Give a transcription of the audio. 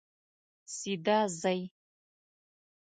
سیده ځئ